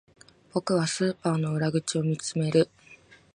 僕はスーパーの裏口を見つめる